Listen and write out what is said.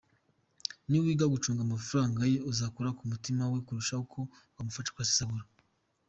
Ni wiga gucunga amafaranga ye, uzakora ku mutima we kurusha uko wamufasha kuyasesagura.